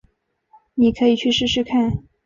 妳可以去试试看